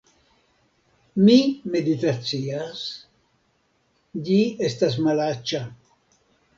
Mi meditacias, ĝi estas malaĉa